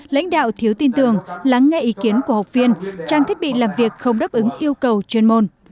lãnh đạo thiếu tin tưởng lắng nghe ý kiến của học viên trang thiết bị làm việc không đáp ứng yêu cầu chuyên môn